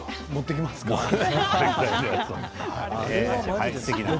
持ってきますか。